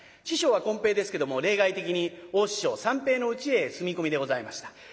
師匠はこん平ですけども例外的に大師匠三平のうちへ住み込みでございました。